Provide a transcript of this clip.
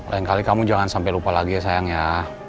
lain kali kamu jangan sampai lupa lagi ya sayang ya